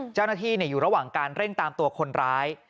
เจ้าหน้าที่อยู่ระหว่างการเร่งตามตัวคนร้าย